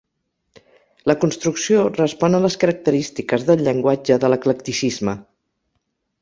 La construcció respon a les característiques del llenguatge de l'eclecticisme.